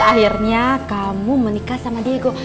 akhirnya kamu menikah sama diego